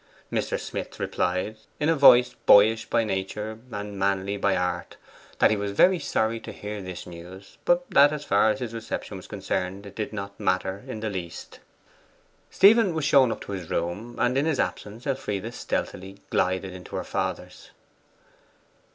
Mr. Smith replied, in a voice boyish by nature and manly by art, that he was very sorry to hear this news; but that as far as his reception was concerned, it did not matter in the least. Stephen was shown up to his room. In his absence Elfride stealthily glided into her father's.